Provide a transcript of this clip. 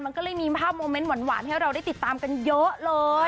มันก็เลยมีภาพโมเมนต์หวานให้เราได้ติดตามกันเยอะเลย